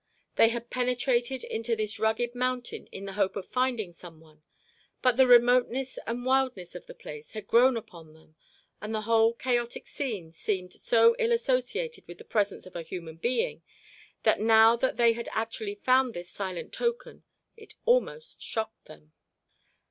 They had penetrated into this rugged mountain in the hope of finding some one, but the remoteness and wildness of the place had grown upon them and the whole chaotic scene seemed so ill associated with the presence of a human being that now that they had actually found this silent token it almost shocked them.